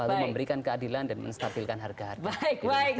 lalu memberikan keadilan dan menstabilkan harga harga